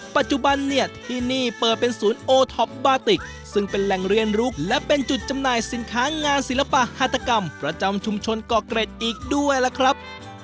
ปัจจุบันเนี่ยที่นี่เปิดเป็นศูนย์โอท็อปบาติกซึ่งเป็นแหล่งเรียนรู้และเป็นจุดจำหน่ายสินค้างานศิลปะฮาตกรรมประจำชุมชนเกาะเกร็ดอีกด้วยล่ะครับ